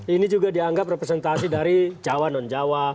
ini juga dianggap representasi dari jawa non jawa